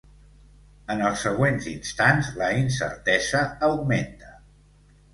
En els següents instants la incertesa augmenta.